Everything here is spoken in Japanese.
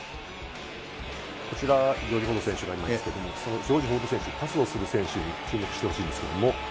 こちら、ジョージ・フォード選手がいますけれども、そのジョージ・フォード選手、パスをする選手に注目してほしいんですけど。